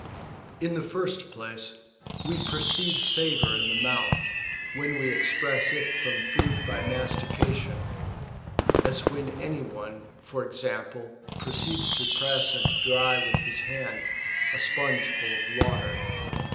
In the first place, we perceive savour in the mouth, when we express it from food by mastication ; as when any one, for example, proceeds to press and dry with his hand a sponge full of water.